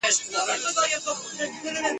له لومړۍ ورځي په نورو پسي ګوري !.